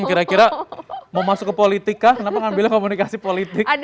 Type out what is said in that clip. kira kira mau masuk ke politika kenapa ngambilnya komunikasi politik